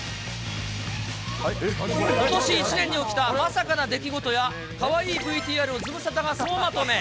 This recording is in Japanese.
ことし一年に起きたまさかな出来事や、かわいいＶＴＲをズムサタが総まとめ。